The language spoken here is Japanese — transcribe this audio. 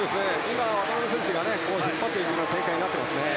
渡辺選手が引っ張っている展開になっていますね。